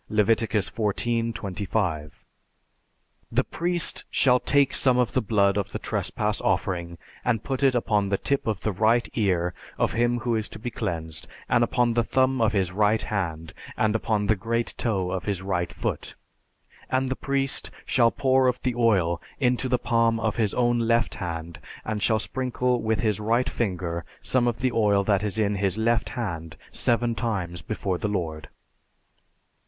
(Leviticus XIV, 25.) "The priest shall take some of the blood of the trespass offering and put it upon the tip of the right ear of him who is to be cleansed and upon the thumb of his right hand, and upon the great toe of his right foot, and the priest shall pour of the oil into the palm of his own left hand and shall sprinkle with his right finger some of the oil that is in his left hand seven times before the Lord."